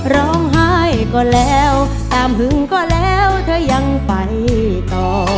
ร้องไห้ก็แล้วอามหึงก็แล้วเธอยังไปต่อ